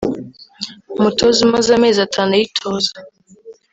umutoza umaze amezi atanu ayitoza